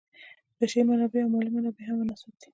بشري منابع او مالي منابع هم عناصر دي.